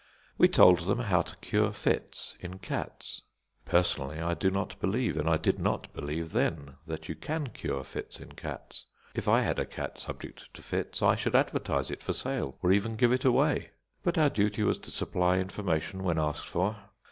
We told them how to cure fits in cats. Personally I do not believe, and I did not believe then, that you can cure fits in cats. If I had a cat subject to fits I should advertise it for sale, or even give it away. But our duty was to supply information when asked for.